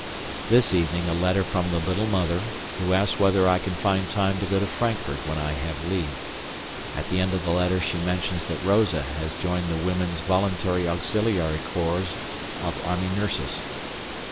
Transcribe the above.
This evening a letter from the little mother, who asks whether I can find time to go to Frankfurt when I have leave; at the end of the letter she mentions that Rosa has joined the Women's Voluntary Auxiliary Corps of Army Nurses.